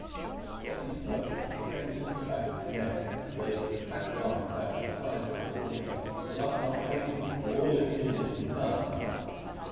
As he spoke, his hand sought the back of his neck where there was a fat lump about the size of a quarter a lump not painful, for all its newness and size.